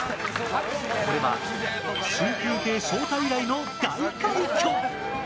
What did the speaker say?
これは春風亭昇太以来の大快挙。